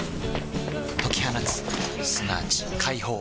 解き放つすなわち解放